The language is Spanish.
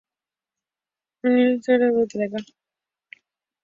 Jussieu le dio lecciones de botánica.